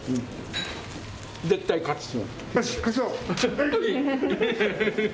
絶対勝つぞ。